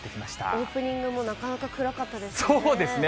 オープニングもなかなか暗かそうですね。